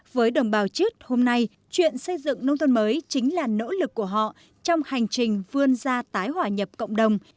với đồng bào chứt hôm nay chuyện xây dựng nông thôn mới chính là nỗ lực của họ trong hành trình vươn ra tái hòa nhập cộng đồng